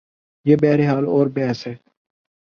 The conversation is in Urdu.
یہ بہرحال اور بحث ہے۔